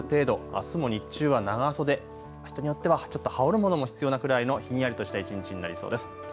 あすも日中は長袖、人によってはちょっと羽織るものも必要なくらいのひんやりとした一日になりそうです。